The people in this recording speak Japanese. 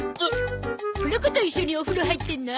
この子と一緒にお風呂入ってんの？